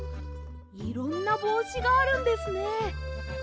いろんなぼうしがあるんですね！